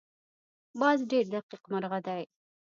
باز ډېر دقیق مرغه دی